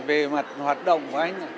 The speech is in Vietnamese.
về mặt hoạt động của anh